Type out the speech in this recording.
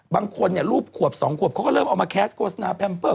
บางคนี่ลูกขวบ๒ขวบเขาก็เริ่มเอามาแก๊สโกสนาแพมป์เบอร์